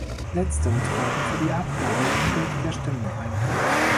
Letztere traten für die Abgabe ungültiger Stimmen ein.